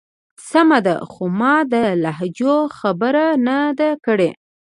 سمه ده. خو ما د لهجو خبره نه ده کړی.